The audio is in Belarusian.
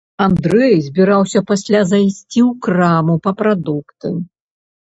Андрэй збіраўся пасля зайсці ў краму па прадукты.